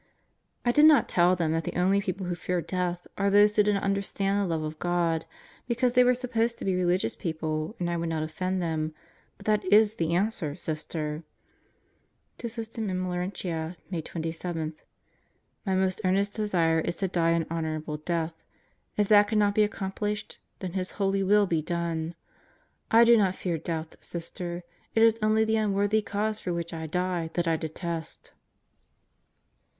I did not tell them that the only people who fear death are those who do not understand the love of God, because they were supposed to be religious people, and I would not offend them; but that w the answer, Sister. To Sister M. Laurentia, May 27: My most earnest desire is to Solitary Confinement 61 die an honorable death. If that cannot be accomplished, then His holy will be done! I do not fear death, Sister; it is only the unworthy cause for which I die, that I detest.